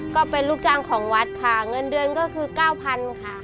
ก็เป็นลูกจ้างของวัดค่ะเงินเดือนก็คือ๙๐๐ค่ะ